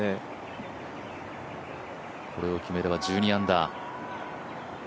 これを決めれば１２アンダー。